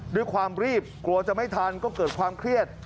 ด้วยความรีบกลัวจะไม่ทันก็เกิดความเครียด